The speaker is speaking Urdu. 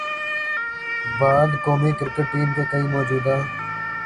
بعد قومی کرکٹ ٹیم کے کئی موجودہ